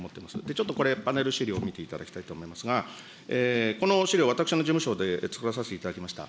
ちょっとこれ、パネル資料を見ていただきたいと思いますが、この資料私の事務所でつくらさせていただきました。